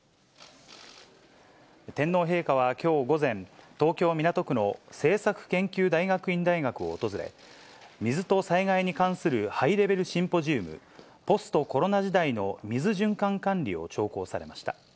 天皇陛下はきょう午前、東京・港区の政策研究大学院大学を訪れ、水と災害に関するハイレベルシンポジウム、ポストコロナ時代の水循環管理を聴講されました。